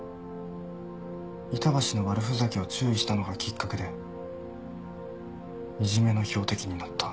板橋の悪ふざけを注意したのがきっかけでいじめの標的になった。